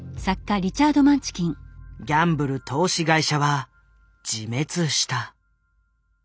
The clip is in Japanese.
ギャンブル投資会社は自滅した。